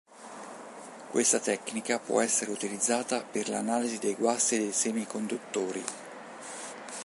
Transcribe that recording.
Questa tecnica può essere utilizzata per l'analisi dei guasti dei semiconduttori.